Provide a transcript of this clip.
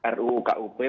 ruu kup memang